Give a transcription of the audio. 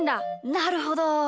なるほど！